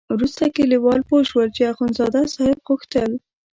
وروسته کلیوال پوه شول چې اخندزاده صاحب غوښتل.